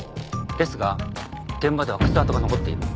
ですが現場では靴跡が残っている。